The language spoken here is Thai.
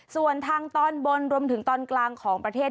ส่วนทางตอนบนรวมถึงตอนกลางของประเทศ